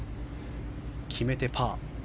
決めて、パー。